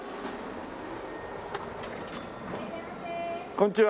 こんにちは。